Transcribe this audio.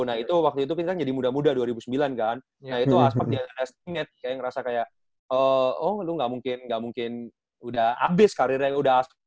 nah itu waktu itu pindah jadi muda muda dua ribu sembilan kan nah itu aspak dia ngerasainnya kayak ngerasa kayak oh lu gak mungkin udah abis karirnya